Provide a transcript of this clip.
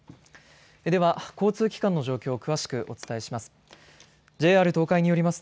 では交通機関の状況を詳しくお伝えします。